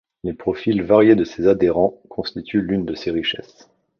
Les profils variés de ses adhérents constituent l'une de ses richesses.